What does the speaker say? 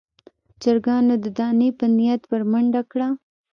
چرګانو د دانې په نيت ور منډه کړه.